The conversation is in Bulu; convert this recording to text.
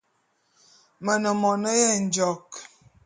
Me ne mone yenjôk.